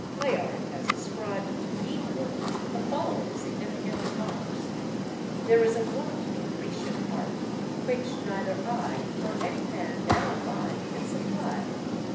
Layard has ascribed to Niebuhr the following significant remarks: 'There is a want in Grecian art which neither I, nor any man now alive, can supply.